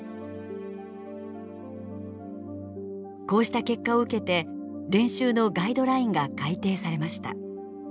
こうした結果を受けて練習のガイドラインが改訂されました。